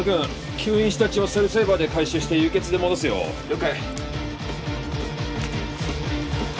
吸引した血をセルセーバーで回収して輸血で戻すよ了解